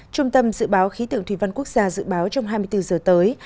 trung tâm dự báo khí tượng thủy văn quốc gia dự báo trong hai mươi bốn giờ tới